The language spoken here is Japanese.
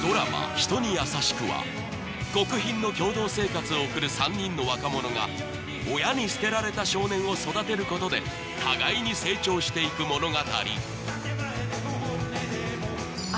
「人にやさしく」は極貧の共同生活を送る３人の若者が親に捨てられた少年を育てることで互いに成長していく物語